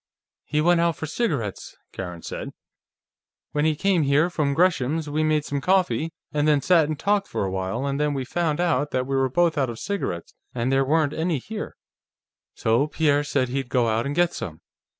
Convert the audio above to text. "He went out for cigarettes," Karen said. "When we came here from Greshams', we made some coffee, and then sat and talked for a while, and then we found out that we were both out of cigarettes and there weren't any here. So Pierre said he'd go out and get some.